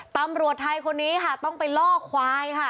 ตำรวจไทยคนนี้ต้องไปล่อควาย